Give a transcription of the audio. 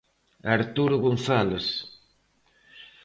Arturo González.